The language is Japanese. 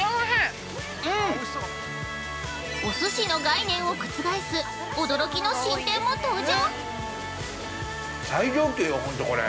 お寿司の概念を覆す驚きの新店も登場！